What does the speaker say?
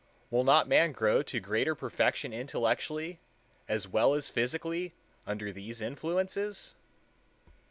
Will not man grow to greater perfection intellectually as well as physically under these influences?